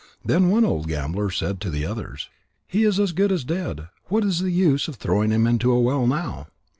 Then one old gambler said to the others: "He is as good as dead. What is the use of throwing him into a well now?